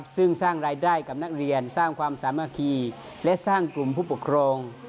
ซึ่งสร้างรายได้กับนักเรียนสร้างความสามัคคีและสร้างกลุ่มผู้ปกครอง